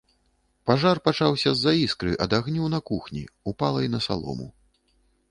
Пажар пачаўся з-за іскры ад агню на кухні, упалай на салому.